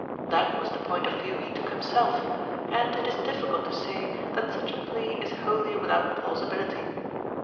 That was the point of view he took himself, and it is difficult to say that such a plea is wholly without plausibility.